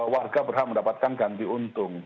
warga berhak mendapatkan ganti untung